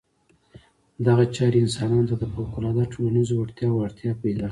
دغې چارې انسانانو ته د فوقالعاده ټولنیزو وړتیاوو اړتیا پیدا کړه.